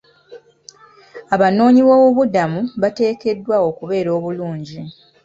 Abanoonyiboobubuddamu bateekeddwa okubeera obulungi.